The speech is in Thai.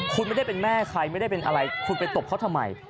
คุณไม่ได้เป็นแม่ใครไม่ได้เป็นอะไรคุณไปตบเขาทำไม